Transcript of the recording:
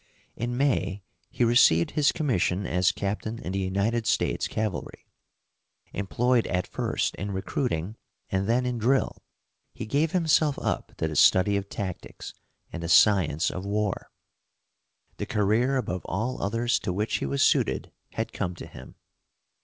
In May he received his commission as captain in the United States cavalry. Employed at first in recruiting and then in drill, he gave himself up to the study of tactics and the science of war. The career above all others to which he was suited had come to him.